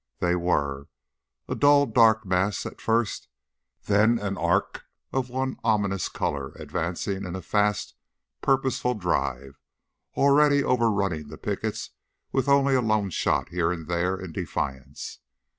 They were, a dull dark mass at first and then an arc of one ominous color advancing in a fast, purposeful drive, already overrunning the pickets with only a lone shot here and there in defiance.